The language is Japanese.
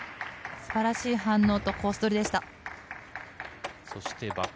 素晴らしい反応とポジションでした。